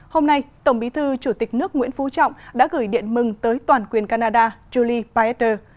hôm nay tổng bí thư chủ tịch nước nguyễn phú trọng đã gửi điện mừng tới toàn quyền canada julie paeder